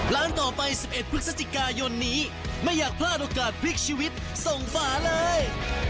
ร้านต่อไป๑๑พฤศจิกายนนี้ไม่อยากพลาดโอกาสพลิกชีวิตส่งฝาเลย